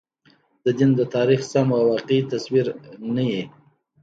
د دین د تاریخ سم او واقعي تصویر نه وي.